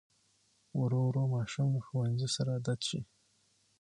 ورو ورو ماشوم له ښوونځي سره عادت شي.